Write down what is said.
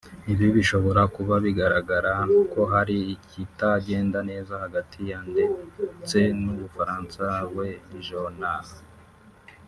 Ibi bishobora kuba bigaragara ko hari ikitagenda neza hagati ye ndetse n’ umufasha we Joannah